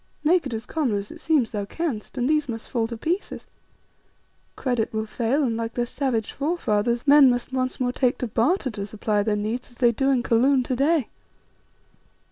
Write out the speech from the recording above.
Make it as common as it seems thou canst, and these must fall to pieces. Credit will fail and, like their savage forefathers, men must once more take to barter to supply their needs as they do in Kaloon to day."